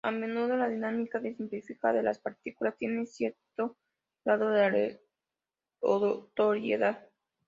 A menudo, la dinámica simplificada de las "partículas" tiene cierto grado de aleatoriedad.